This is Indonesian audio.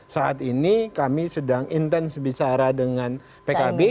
saat ini kami sedang intensifisara dengan pkb